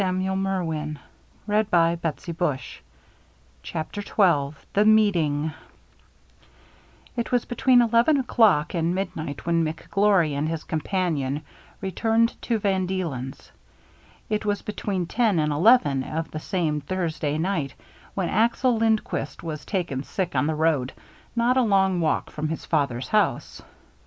CHAPTER XII THE MEETING CHAPTER XII THE MEETING IT was between eleven o'clock and midnight when McGlory and his companion returned to Van Deelcn's ; it was between ten and eleven of this same Thursday night when Axel Lind quist was taken sick on the road, not a long walk from his father's house.